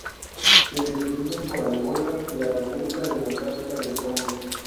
Se distribuyen por Angola y la República Democrática del Congo.